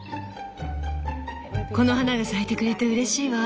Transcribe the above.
この花が咲いてくれてうれしいわ。